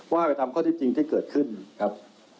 ว่าไปตามข้อที่จริงที่เกิดขึ้นครับ